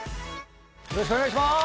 よろしくお願いします！